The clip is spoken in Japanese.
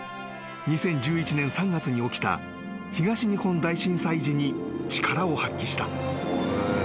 ２０１１年３月に起きた東日本大震災時に力を発揮した］